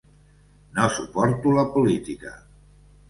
No suporto la política.